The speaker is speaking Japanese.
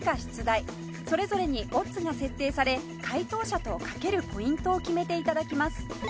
それぞれにオッズが設定され解答者と賭けるポイントを決めて頂きます